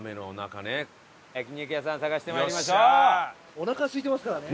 おなかすいてますからね。